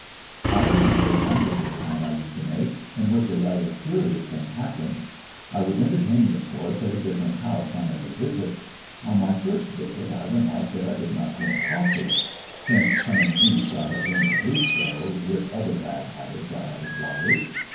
I remember one little town I used to make One maid of in which a rather curious thing happened. I tou;„ was entertained, of course, at a different house on every visit. On my first visit I remarked that I did not drink coffee. (Since coming East I have learned to do so, with other bad habits I have acquired.)